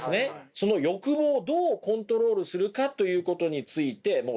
その欲望をどうコントロールするかということについて徹底的に考える。